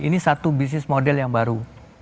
ini satu bisnis model yang baru